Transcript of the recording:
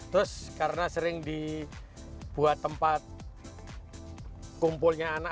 terus karena sering dibuat tempat kumpulnya anak